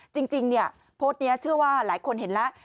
จริงโพสต์นี้เชื่อว่าหลายคนเห็นแล้ว